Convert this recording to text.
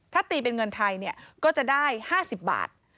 ถ้าตีเป็นเงินไทยก็จะได้๕๐บาท